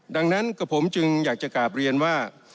ดังนั้นกับผมจึงอยากจะกลับเรียนว่า